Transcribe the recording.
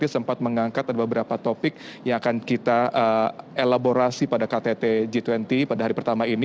sempat mengangkat ada beberapa topik yang akan kita elaborasi pada ktt g dua puluh pada hari pertama ini